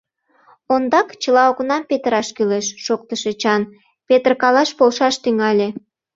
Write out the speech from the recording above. — Ондак чыла окнам петыраш кӱлеш, — шоктыш Эчан, петыркалаш полшаш тӱҥале.